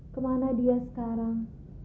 kemana dia sekarang